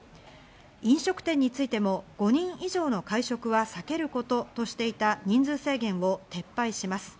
飲食店についても５人以上の会食は避けることとしていた人数制限を撤廃します。